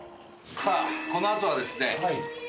さあこのあとはですね